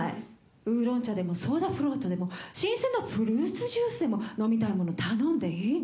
ウーロン茶でもソーダフロートでも新鮮なフルーツジュースでも飲みたいもの頼んでいいの。